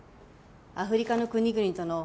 アフリカの国々とのフェア